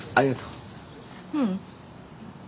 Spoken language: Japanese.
ううん。